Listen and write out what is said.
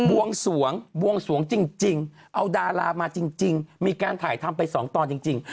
วงสวงบวงสวงจริงเอาดารามาจริงมีการถ่ายทำไปสองตอนจริง